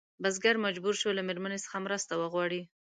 بزګر مجبور شو له مېرمنې څخه مرسته وغواړي.